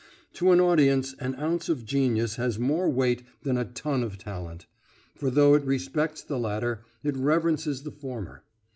To an audience an ounce of genius has more weight than a ton of talent; for though it respects the latter, it reverences the former.